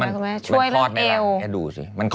อันนี้คือช่วยแล้วถูกไหม